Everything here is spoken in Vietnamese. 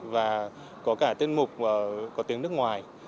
và có cả tiết mục có tiếng nước ngoài